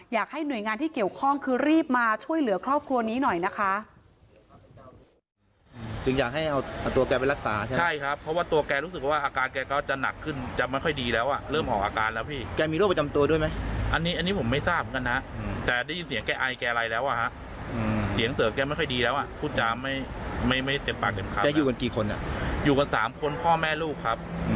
อยากให้หน่วยงานที่เกี่ยวข้องคือรีบมาช่วยเหลือครอบครัวนี้หน่อยนะคะ